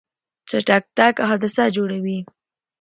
چټک تګ حادثه جوړوي.